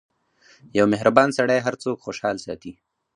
• یو مهربان سړی هر څوک خوشحال ساتي.